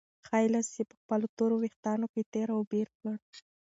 ښی لاس یې په خپلو تورو وېښتانو کې تېر او بېر کړ.